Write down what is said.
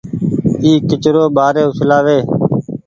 اي ڪچرو ٻآري اڇلآ وي